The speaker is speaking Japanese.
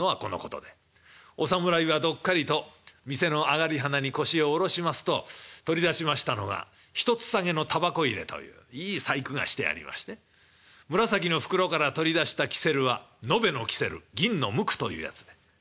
お侍はどっかりと店の上がりはなに腰を下ろしますと取り出しましたのが一つ提げのタバコ入れといういい細工がしてありまして紫の袋から取り出した煙管は延べの煙管銀の無垢というやつで。